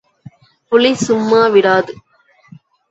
புலி சும்மா விடாது.